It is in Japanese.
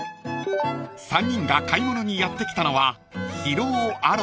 ［３人が買い物にやって来たのは］